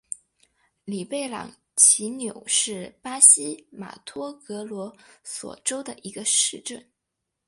里贝朗齐纽是巴西马托格罗索州的一个市镇。